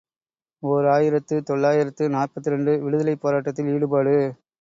● ஓர் ஆயிரத்து தொள்ளாயிரத்து நாற்பத்திரண்டு விடுதலைப் போராட்டத்தில் ஈடுபாடு.